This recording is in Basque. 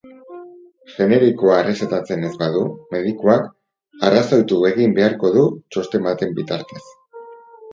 Generikoa errezetatzen ez badu, medikuak arrazoitu egin beharko du txosten baten bitartez.